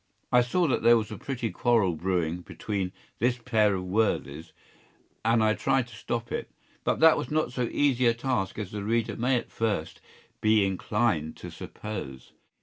” I saw that there was a pretty quarrel brewing between this pair of worthies, and I tried to stop it; but that was not so easy a task as the reader may at first be inclined to suppose.